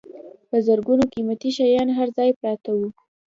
په زرګونو قیمتي شیان هر ځای پراته وو.